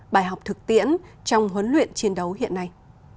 bài học thực tiễn trong huấn luyện chiến đấu hiện nay